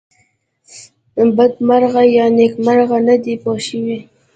بدمرغه یا نېکمرغه نه دی پوه شوې!.